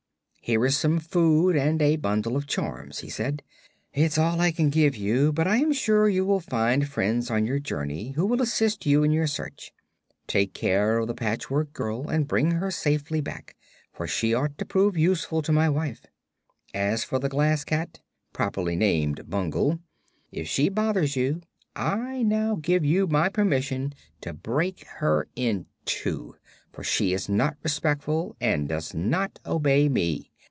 "Here is some food and a bundle of charms," he said. "It is all I can give you, but I am sure you will find friends on your journey who will assist you in your search. Take care of the Patchwork Girl and bring her safely back, for she ought to prove useful to my wife. As for the Glass Cat properly named Bungle if she bothers you I now give you my permission to break her in two, for she is not respectful and does not obey me.